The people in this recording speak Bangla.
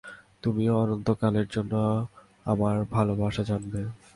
তুমিও অনন্তকালের জন্য আমার ভালবাসা জানবে।